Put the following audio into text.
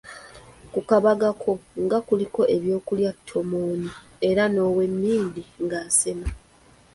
Ku kabaga okwo, nga kuliko eby'okulya ttomooni era n'owemmindi ng’asena.